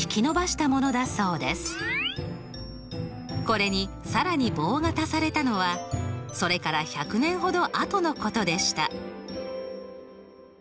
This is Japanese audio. これに更に棒が足されたのはそれから１００年ほどあとのことでした。